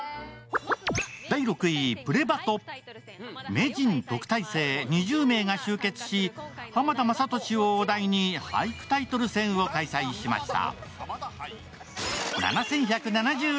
名人・特待生２０名が集結し、浜田雅功をお題に俳句タイトル戦を開催しました。